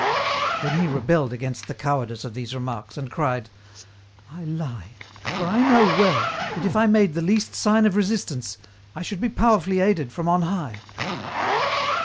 Then he rebelled against the cowardice of these remarks, and cried :" I lie, for I know well, that if I made the least sign of resistance, I should be powerfully aided from on high."